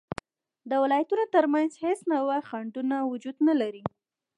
د ولایتونو تر منځ هیڅ نوعه خنډونه وجود نلري